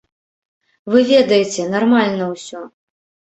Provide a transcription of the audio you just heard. Вы ведаеце, нармальна ўсё.